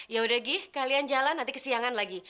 yaudah gih kalian jalan nanti kesiangan lagi